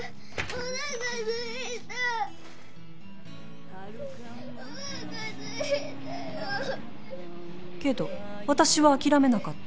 おなかすいたよけど私は諦めなかった。